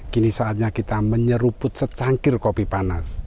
kita menyeruput secangkir kopi panas